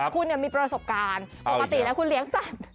คุณมีประสบการณ์ปกติแล้วคุณเลี้ยงสัตว์